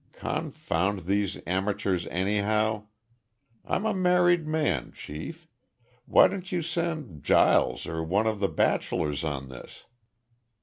Confound these amateurs, anyhow! I'm a married man, Chief. Why don't you send Giles or one of the bachelors on this?"